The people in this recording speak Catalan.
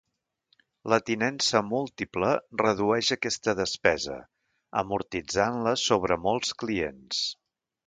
La tinença múltiple redueix aquesta despesa amortitzant-la sobre molts clients.